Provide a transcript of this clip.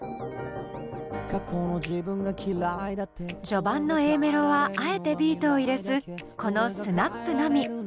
序盤のＡメロはあえてビートを入れずこのスナップのみ。